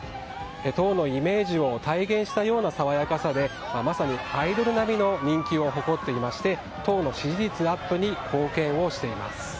党のイメージを体現したような爽やかさでまさにアイドル並みの人気を誇っていまして党の支持率アップに貢献をしています。